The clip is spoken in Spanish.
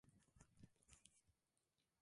Era feliz.